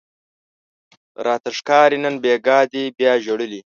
راته ښکاري نن بیګاه دې بیا ژړلي